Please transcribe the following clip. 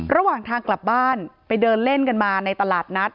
ระหว่างทางกลับบ้านไปเดินเล่นกันมาในตลาดนัด